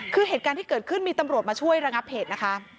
คือเหตุการณ์ที่เกิดขึ้นมีตำรวจมาช่วยระงับเหตุนะคะ